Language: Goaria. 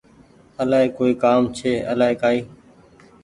آلآئي ڪوئي ڪآم ڇي آلآئي ڪآئي